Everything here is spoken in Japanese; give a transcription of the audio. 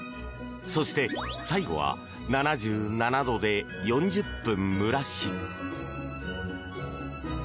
そして、最後は７７度で４０分蒸らし。